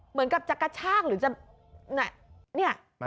เหมือนกับจะกระชากหรือจะ